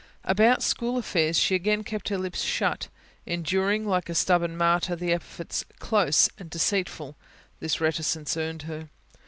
About school affairs she again kept her lips shut, enduring, like a stubborn martyr, the epithets "close" and "deceitful" this reticence earned her.